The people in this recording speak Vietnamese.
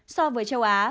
so với châu á